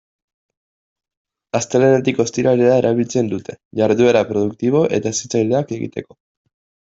Astelehenetik ostiralera erabiltzen dute, jarduera produktibo eta hezitzaileak egiteko.